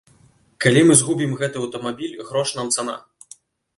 Калі мы згубім гэты аўтамабіль, грош нам цана.